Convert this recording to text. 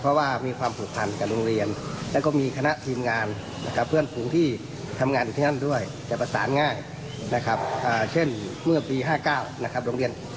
เพราะว่ามีความผูกพันธ์กับโรงเรียน